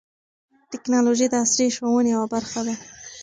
ټیکنالوژي د عصري ښوونې یوه برخه ده.